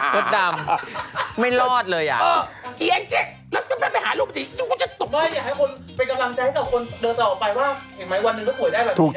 พุธดำไม่รอดเลยอ่ะเออไอ้แองจิแล้วก็ไปหารูปสิไม่อย่าให้คน